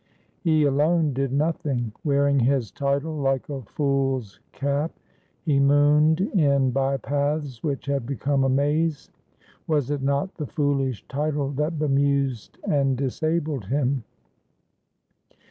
He alone did nothing. Wearing his title like a fool's cap, he mooned in by paths which had become a maze. Was it not the foolish title that bemused and disabled him?